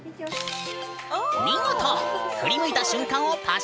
見事振り向いた瞬間をパシャリ！